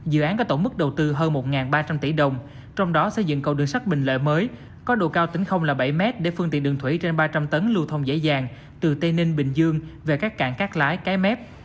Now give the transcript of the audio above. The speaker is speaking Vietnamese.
dự án có tổng mức đầu tư hơn một ba trăm linh tỷ đồng trong đó xây dựng cầu đường sắt bình lợi mới có độ cao tỉnh không là bảy m để phương tiện đường thủy trên ba trăm linh tấn lưu thông dễ dàng từ tây ninh bình dương về các cảng cát lái cái mép